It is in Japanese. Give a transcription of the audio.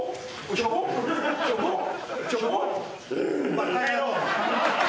バカ野郎。